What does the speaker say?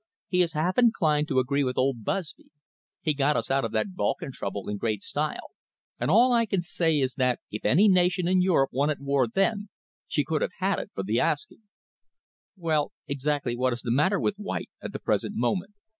He is half inclined to agree with old Busby. He got us out of that Balkan trouble in great style, and all I can say is that if any nation in Europe wanted war then, she could have had it for the asking." "Well, exactly what is the matter with White at the present moment?"